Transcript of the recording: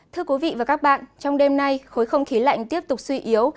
thưa quý vị và các bạn trong đêm nay khối không khí lạnh tiếp tục suy yếu